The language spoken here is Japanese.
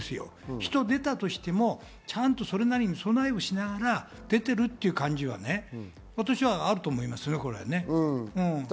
人は出たとしても、ちゃんとそれなりの備えをして出ているということがあると思います。